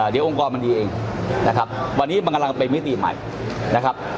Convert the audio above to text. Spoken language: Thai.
เดี๋ยวองค์กรมันดีเองนะครับวันนี้มันกำลังเป็นมิติใหม่นะครับ